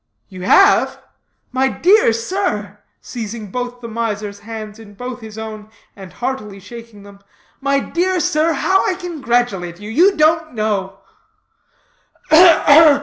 "You have? My dear sir," seizing both the miser's hands in both his own and heartily shaking them. "My dear sir, how I congratulate you. You don't know."